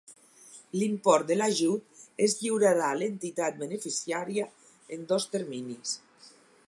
L'import de l'ajut es lliurarà a l'entitat beneficiària en dos terminis.